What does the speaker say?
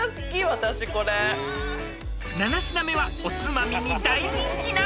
［７品目はおつまみに大人気な］